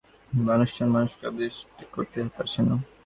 কারণ, বেসরকারি চ্যানেলের নাটক বা অনুষ্ঠান মানুষকে আকৃষ্ট করতে পারছে না।